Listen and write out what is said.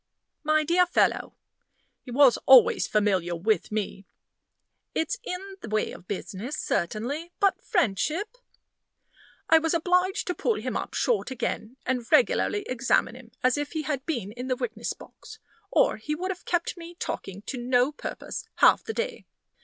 "My dear fellow" he was always familiar with me "it's in the way of business, certainly; but friendship " I was obliged to pull him up short again, and regularly examine him as if he had been in the witness box, or he would have kept me talking to no purpose half the day.